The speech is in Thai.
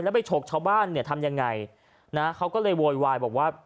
ไปฉกชาวบ้านเนี่ยทำยังไงนะเขาก็เลยโวยวายบอกว่า